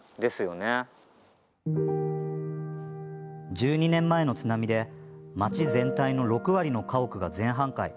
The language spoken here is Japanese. １２年前の津波で町全体の６割の家屋が全半壊。